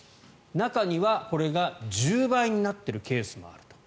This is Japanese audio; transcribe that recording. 中にはこれが１０倍になっているケースもあると。